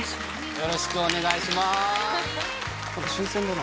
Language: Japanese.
よろしくお願いします。